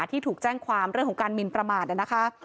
ที่ถูกแจ้งความเรื่องของการมินประมาทนะคะ